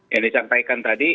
yang disampaikan tadi